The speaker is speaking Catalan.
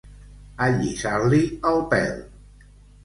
Allisar-li el pèl.